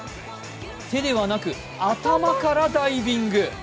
手ではなく、頭からダイビング。